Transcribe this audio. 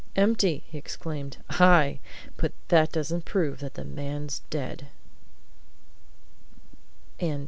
"Empty!" he exclaimed. "Aye! but that doesn't prove that the man's dead!"